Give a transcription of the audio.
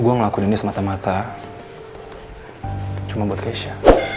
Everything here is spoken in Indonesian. gue ngelakuin ini semata mata cuma buat resha